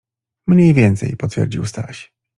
- Mniej więcej - potwierdził Staś.